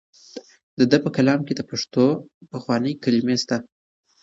د ده په کلام کې د پښتو پخوانۍ کلمې شته.